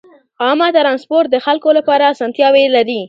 عامه ترانسپورت د خلکو لپاره اسانتیاوې لري.